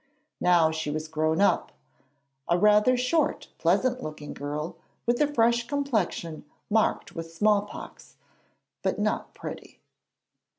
Now she was grown up; a rather short, pleasant looking girl with a fresh complexion marked with small pox, but not pretty.